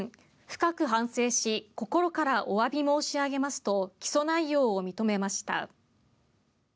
深く反省し心からおわび申し上げますと起訴内容を認めました。